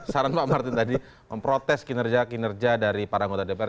saran pak martin tadi memprotes kinerja kinerja dari para anggota dpr